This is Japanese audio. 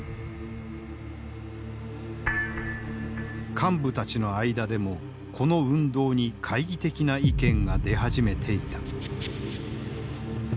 幹部たちの間でもこの運動に懐疑的な意見が出始めていた。